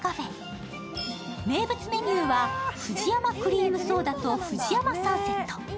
名物メニューは富士山クリームソーダと富士山サンセット。